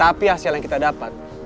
tapi hasil yang kita dapat